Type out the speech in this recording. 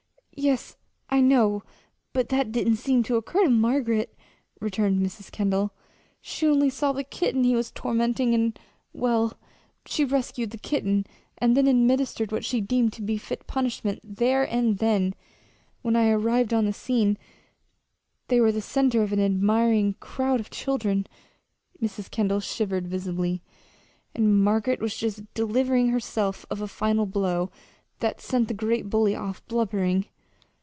"Yes, I know, but that didn't seem to occur to Margaret," returned Mrs. Kendall. "She saw only the kitten he was tormenting, and well, she rescued the kitten, and then administered what she deemed to be fit punishment there and then. When I arrived on the scene they were the center of an admiring crowd of children," Mrs. Kendall shivered visibly "and Margaret was just delivering herself of a final blow that sent the great bully off blubbering."